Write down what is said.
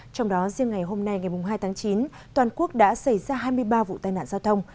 trong đó riêng ngày hôm nay ngày hai tháng chín toàn quốc đã xảy ra hai mươi ba vụ tai nạn giao thông